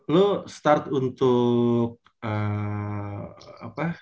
lu start untuk apa